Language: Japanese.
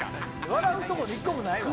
笑うとこ一個もないわ！